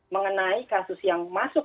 mengenai kasus yang masuk